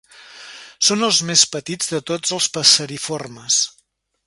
Són els més petits de tots els passeriformes.